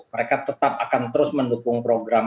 mereka tetap akan terus mendukung program